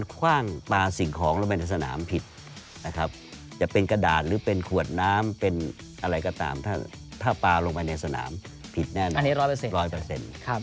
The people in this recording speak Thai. ถ้าปลาลงไปในสนามผิดแน่นอนอันนี้ร้อยเปอร์เซ็นต์